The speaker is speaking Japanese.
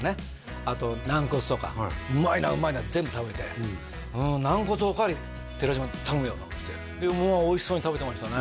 あとなん骨とかうまいなうまいなって全部食べて「うんなん骨お代わり寺島頼むよ」ってでおいしそうに食べてましたね